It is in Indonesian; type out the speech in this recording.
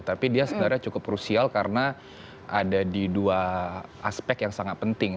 tapi dia sebenarnya cukup krusial karena ada di dua aspek yang sangat penting